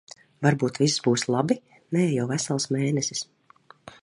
Varbūt viss būs labi? Vēl jau vesels mēnesis.